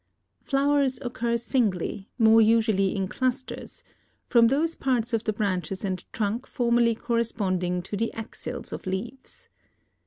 Flowers occur singly, more usually in clusters, from those parts of the branches and trunk formerly corresponding to the axils of leaves.